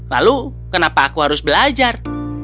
lalu kenapa aku harus belajar